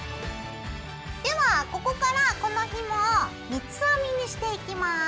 ではここからこのひもを三つ編みにしていきます。